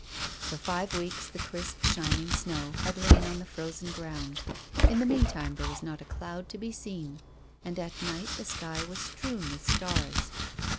For five weeks the crisp, shining snow had lain on the frozen ground ; in the day time there was not a cloud to be seen, and at night the sky was strewn with stars.